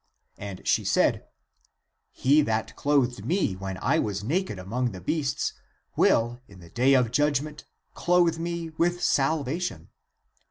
And she said, " He that clothed me when I was naked among the beasts, will in the day of judgment clothe me with salvation."